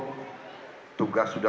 habis itu datang pak anies ke saya